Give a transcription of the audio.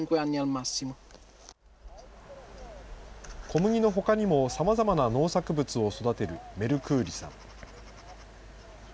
小麦のほかにもさまざまな農作物を育てるメルクーリさん。